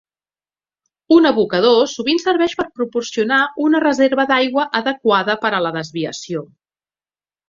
Un abocador sovint serveix per proporcionar una reserva d'aigua adequada per a la desviació.